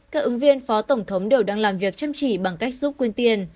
các ứng viên phó tổng thống đều đang làm việc chăm chỉ bằng cách giúp quyền tiền